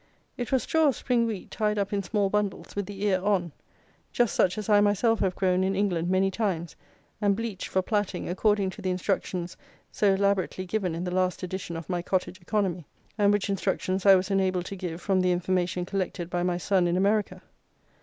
It was straw of spring wheat, tied up in small bundles, with the ear on; just such as I myself have grown in England many times, and bleached for platting, according to the instructions so elaborately given in the last edition of my Cottage Economy; and which instructions I was enabled to give from the information collected by my son in America.